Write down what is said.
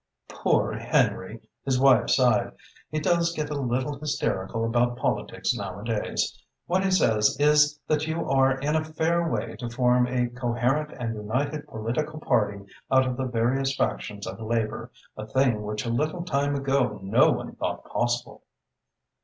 "Poor Henry!" his wife sighed. "He does get a little hysterical about politics nowadays. What he says is that you are in a fair way to form a coherent and united political party out of the various factions of Labour, a thing which a little time ago no one thought possible."